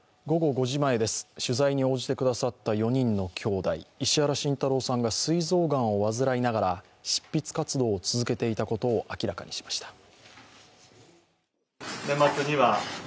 午後５時前です、取材に応じてくださった４人の兄弟、石原慎太郎さんがすい臓がんを患いながら執筆活動を続けていたことを明らかにしました。